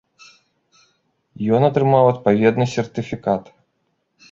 Ён атрымаў адпаведны сертыфікат.